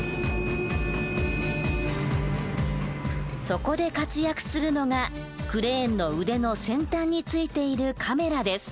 そこで活躍するのがクレーンの腕の先端に付いているカメラです。